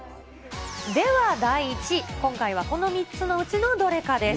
では第１位、今回はこの３つのうちのどれかです。